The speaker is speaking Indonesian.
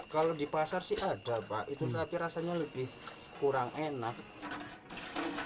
kalau di pasar sih ada pak itu tapi rasanya lebih kurang enak